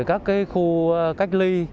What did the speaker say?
các khu cách ly